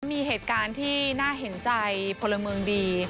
มีเหตุการณ์ที่น่าเห็นใจพลเมืองดี